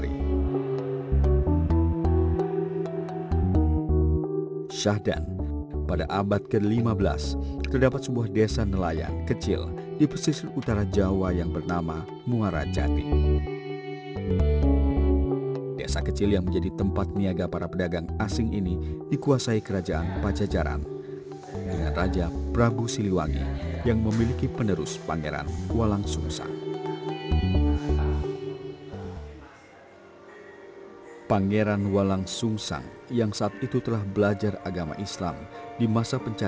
ibarat cermin topeng cirebon memberi pengingat pada lagu hidup manusia agar terus mencari jati diri hingga usia senja